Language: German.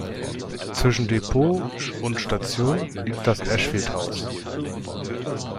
Zwischen Depot und Station liegt das "Ashfield House".